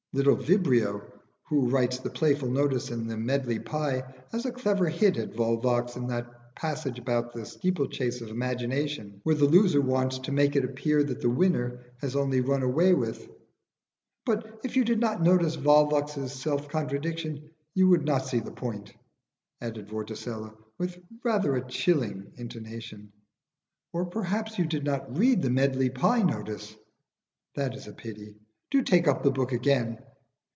Little Vibrio, who writes the playful notice in the 'Medley Pie,' has a clever hit at Volvox in that passage about the steeplechase of imagination, where the loser wants to make it appear that the winner was only run away with. But if you did not notice Volvox's self contradiction you would not see the point," added Vorticella, with rather a chilling intonation. "Or perhaps you did not read the 'Medley Pie' notice? That is a pity. Do take up the book again.